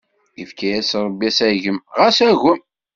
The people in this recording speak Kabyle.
Ifka-yak Ṛebbi asagem, xas agem!